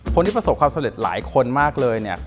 คนที่ประสบความสำเร็จหลายคนมากเลยเนี่ย